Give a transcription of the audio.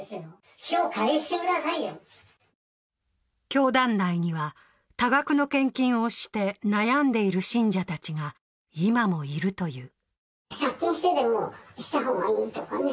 教団内には、多額の献金をして悩んでいる信者たちが今もいるという。